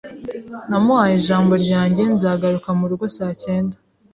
Namuhaye ijambo ryanjye nzagaruka murugo saa cyenda.